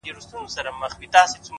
چي زه تورنه ته تورن سې گرانه ـ